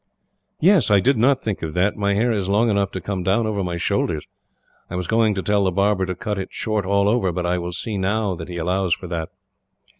"Yes; I did not think of that. My hair is long enough to come down over my shoulders. I was going to tell the barber to cut it short all over, but I will see now that he allows for that."